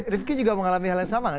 rivki juga mengalami hal yang sama kan